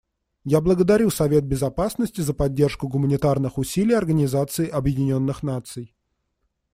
Я благодарю Совет Безопасности за поддержку гуманитарных усилий Организации Объединенных Наций.